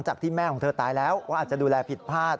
จากที่แม่ของเธอตายแล้วว่าอาจจะดูแลผิดพลาด